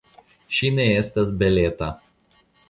Ŝi ne estas beleta.